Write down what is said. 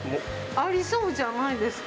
ありそうじゃないですか？